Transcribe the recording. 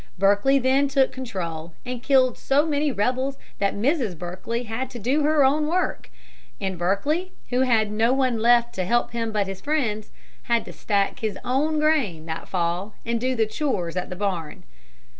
Berkeley then took control, and killed so many rebels that Mrs. Berkeley had to do her own work, and Berkeley, who had no one left to help him but his friends, had to stack his own grain that fall and do the chores at the barn.